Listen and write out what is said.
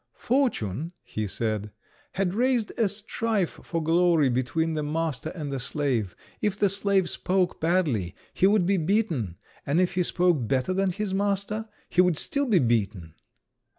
"Fortune," he said, "had raised a strife for glory between the master and the slave. If the slave spoke badly, he would be beaten; and if he spoke better than his master, he would still be beaten."